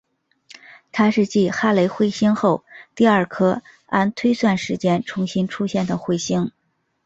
它是继哈雷彗星后第二颗按推算时间重新出现的彗星。